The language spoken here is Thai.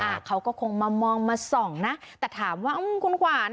เขาก็คงมามองมาส่องนะแต่ถามว่าคุณขวาน